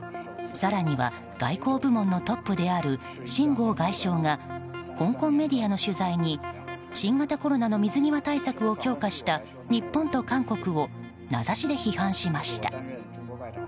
更には外交部門のトップであるシン・ゴウ外相が香港メディアの取材に新型コロナの水際対策を強化した日本と韓国を名指しで批判しました。